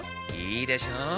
いいでしょう。